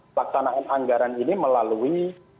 pelaksanaan anggaran ini melalui